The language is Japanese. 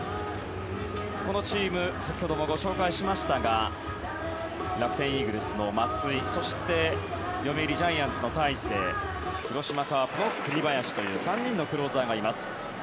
このチーム先ほどもご紹介しましたが楽天イーグルスの松井そして読売ジャイアンツの大勢広島カープの栗林という３人のクローザーがいます。